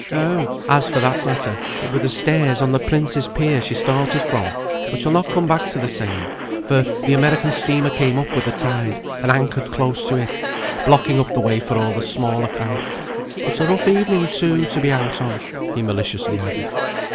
"Oh, as for that matter, it were the stairs on the Prince's Pier she started from; but she'll not come back to the same, for the American steamer came up with the tide, and anchored close to it, blocking up the way for all the smaller craft. It's a rough evening too, to be out on," he maliciously added.